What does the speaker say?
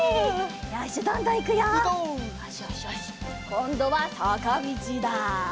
こんどはさかみちだ！